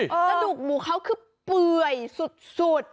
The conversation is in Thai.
กระดูกหมูเขาคือเปื่อยสุด